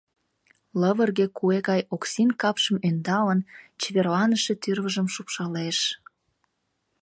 Лывырге куэ гай Оксин капшым ӧндалын, чеверланыше тӱрвыжым шупшалеш.